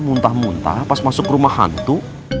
muntah muntah pas masuk rumah hantu